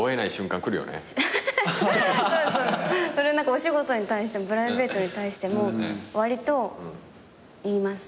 お仕事に対してもプライベートに対してもわりと言います。